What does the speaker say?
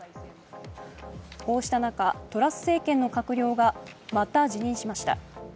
こうした中、トラス政権の閣僚がまた辞任しました。